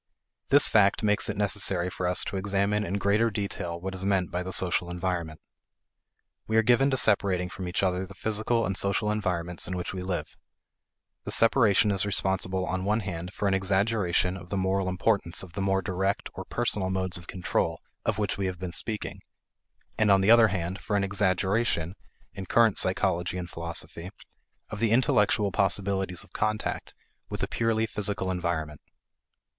This fact makes it necessary for us to examine in greater detail what is meant by the social environment. We are given to separating from each other the physical and social environments in which we live. The separation is responsible on one hand for an exaggeration of the moral importance of the more direct or personal modes of control of which we have been speaking; and on the other hand for an exaggeration, in current psychology and philosophy, of the intellectual possibilities of contact with a purely physical environment.